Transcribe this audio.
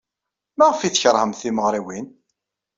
Maɣef ay tkeṛhemt timeɣriwin?